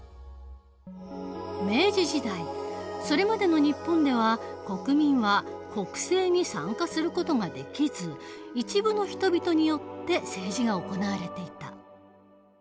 明治時代それまでの日本では国民は国政に参加する事ができず一部の人々によって政治が行われていた。